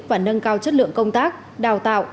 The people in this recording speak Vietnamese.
và nâng cao chất lượng công tác đào tạo